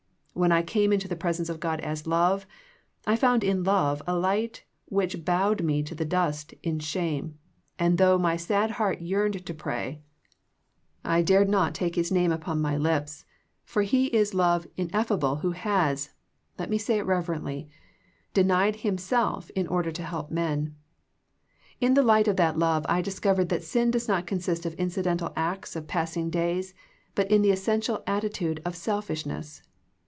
When I came into the presence of God as love I found in love a light which bowed me to the dust in shame, and though my sad heart yearned to pray, I dared 38 THE PEACTICE OF PEAYEE not take His name upon my lips, for He is love ineffable who has — let me say it reverently — de nied Himself in order to help men. In the light of that love I discovered that sin does not consist in incidental acts of passing days, but in the es sential attitude of selfishness.